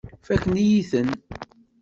Fakken-iyi-ten.